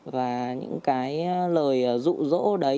và những cái lời rụ rỗ đấy